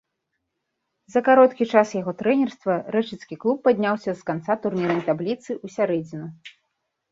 За кароткі час яго трэнерства рэчыцкі клуб падняўся з канца турнірнай табліцы ў сярэдзіну.